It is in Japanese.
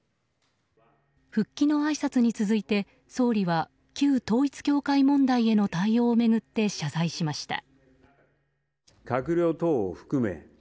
復帰のあいさつに続いて総理は旧統一教会問題への対応を巡って謝罪しました。